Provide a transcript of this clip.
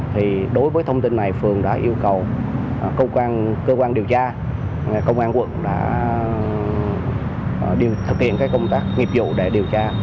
thì đối với thông tin này phường đã yêu cầu cơ quan điều tra công an quận đã thực hiện cái công tác nghiệp vụ để điều tra